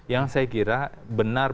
yang saya kira benar